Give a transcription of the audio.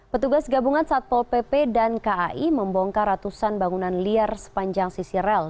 petugas gabungan satpol pp dan kai membongkar ratusan bangunan liar sepanjang sisi rel